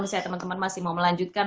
misalnya teman teman masih mau melanjutkan